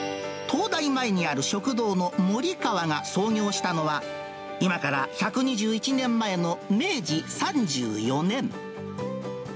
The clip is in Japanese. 東大前にある食堂のもり川が創業したのは、今から１２１年前の明治３４年。